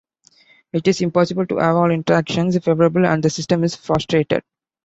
It is impossible to have all interactions favourable, and the system is frustrated.